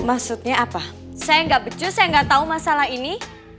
maksudnya apa saya enggak becus saya enggak tau masalah ini